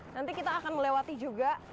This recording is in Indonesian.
nanti kita akan melewati juga